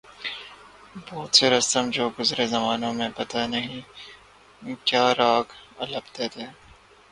بہت سے رستم جو گزرے زمانوں میں پتہ نہیں کیا راگ الاپتے تھے۔